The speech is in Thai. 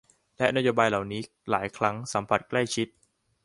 และนโยบายเหล่านี้ หลายครั้งสัมพันธ์ใกล้ชิด